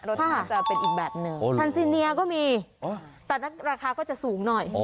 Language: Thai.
รสชาติจะเป็นอีกแบบหนึ่งคันซีเนียก็มีแต่ราคาก็จะสูงหน่อย